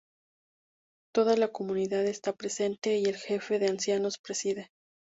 Toda la comunidad está presente, y el jefe de ancianos preside.